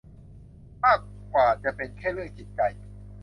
มากกว่าจะเป็นแค่เรื่องจิตใจ